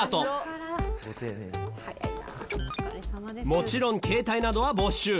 もちろん携帯などは没収。